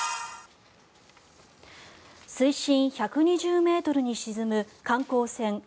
水深１２０ｍに沈む観光船